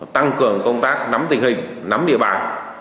tăng cường công tác nắm tình hình nắm địa bàn